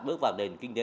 bước vào nền kinh tế